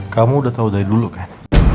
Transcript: kamu udah tahu dari dulu kan